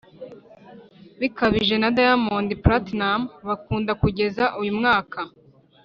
Bikabije na diamond platinumz bakunda kugeza uyu mwaka